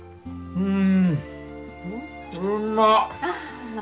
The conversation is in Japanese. うん！